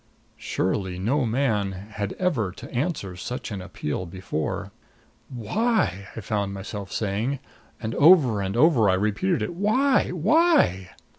Surely no man had ever to answer such an appeal before. "Why?" I found myself saying, and over and over I repeated it "Why? Why?"